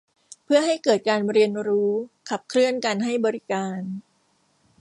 เพื่อให้เกิดการเรียนรู้ ขับเคลื่อนการให้บริการ